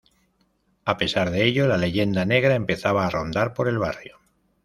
A pesar de ello, la leyenda negra empezaba a rondar por el barrio.